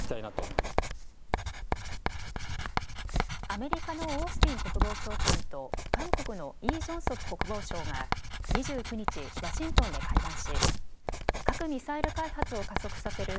アメリカのオースティン国防長官と韓国のイ・ジョンソプ国防相が２９日、ワシントンで会談し核・ミサイル開発を加速させる